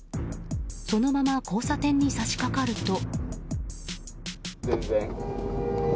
そのまま交差点に差し掛かると。